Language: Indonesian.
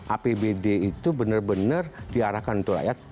apbd itu benar benar diarahkan untuk rakyat